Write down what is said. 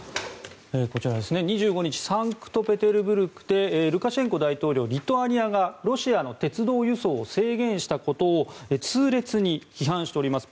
こちら、２５日サンクトペテルブルクでルカシェンコ大統領リトアニアがロシアの鉄道輸送を制限したことを痛烈に批判しております。